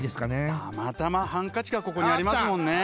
たまたまハンカチがここにありますもんね。